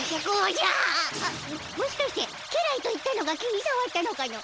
もしかして家来と言ったのが気にさわったのかの？